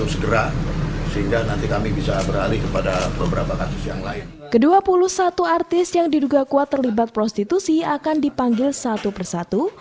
kedua puluh satu artis yang diduga kuat terlibat prostitusi akan dipanggil satu persatu